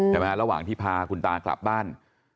ระหว่างที่พาคุณตากลับบ้าน